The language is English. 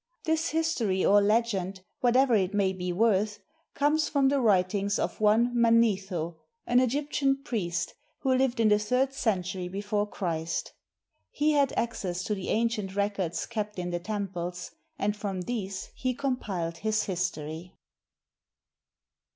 This history or legend, whatever it may be worth, comes from the writings of one Manetho, an Egyptian priest who lived in the third century before Christ. He had access to the ancient records kept in the temples, and from these he compiled his history.